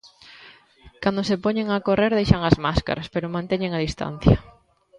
Cando se poñen a correr deixan as máscaras, pero manteñen a distancia.